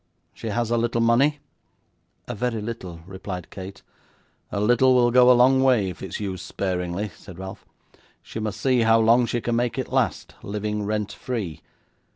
She has a little money?' 'A very little,' replied Kate. 'A little will go a long way if it's used sparingly,' said Ralph. 'She must see how long she can make it last, living rent free.